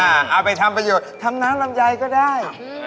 เอาไปทำประโยชน์ทำน้ำลำไยก็ได้